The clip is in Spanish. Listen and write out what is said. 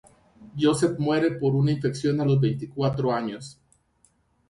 Joseph muere por una infección a los veinticuatro años.